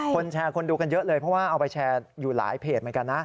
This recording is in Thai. คนแชร์คนดูกันเยอะเลยเพราะว่าเอาไปแชร์อยู่หลายเพจเหมือนกันนะ